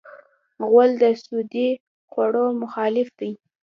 غول د سودي خوړو مخالف دی.